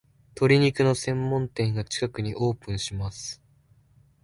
鶏肉の専門店が近くにオープンします